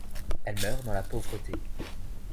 Elle meurt dans la pauvreté.